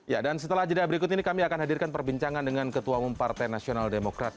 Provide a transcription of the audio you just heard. ya dan setelah jeda berikut ini kami akan hadirkan perbincangan dengan ketua umum partai nasional demokrat